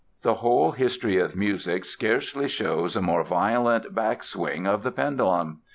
The whole history of music scarcely shows a more violent backswing of the pendulum.